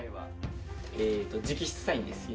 直筆サインです